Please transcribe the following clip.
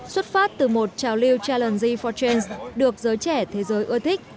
xuất phát từ một trào lưu challenge for change được giới trẻ thế giới ưa thích